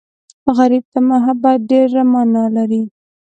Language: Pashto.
غریب ته محبت ډېره مانا لري